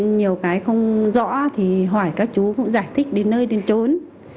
nhiều cái không rõ thì hỏi các chú cũng giải thích đến nơi đến trốn